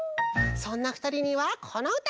そんなふたりにはこのうた！